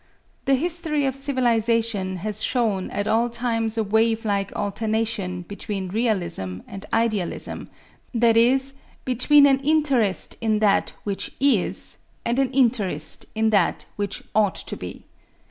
The history of civilization has shown at all times a wavelike alternation between realism and idealism, that is, between an interest in that which is, and an interest in that which ought to be.